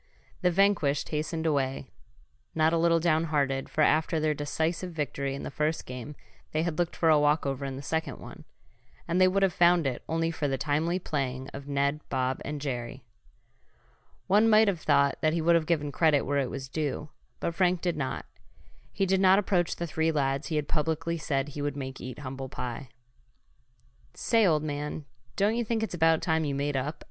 The vanquished hastened away, not a little down hearted, for after their decisive victory in the first game they had looked for a walkover in the second one. And they would have found it only for the timely playing of Ned, Bob and Jerry. One might have thought that he would have given credit where it was due, but Frank did not. He did not approach the three lads he had publicly said he would make eat humble pie. "Say, old man, don't you think it's about time you made up?"